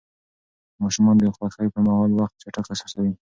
ماشومان د خوښۍ پر مهال وخت چټک احساسوي.